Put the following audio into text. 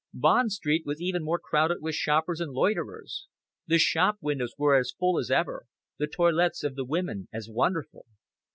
Bond Street was even more crowded with shoppers and loiterers. The shop windows were as full as ever, the toilettes of the women as wonderful.